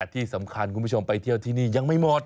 ที่สำคัญคุณผู้ชมไปเที่ยวที่นี่ยังไม่หมด